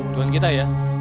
duaan kita ya